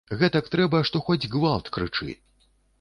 Гэтак трэба, што хоць гвалт крычы.